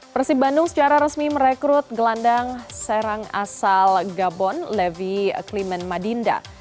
persib bandung secara resmi merekrut gelandang serang asal gabon levi clement madinda